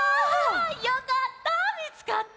よかったみつかって。